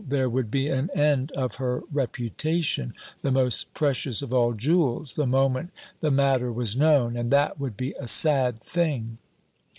there would be an end of her reputation, the most precious of all jewels, the moment the matter was known; and that would be a sad thing.